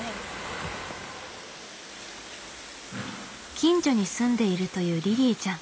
近所に住んでいるというりりぃちゃん。